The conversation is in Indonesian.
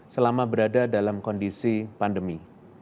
selama berada dalam kondisi pandemi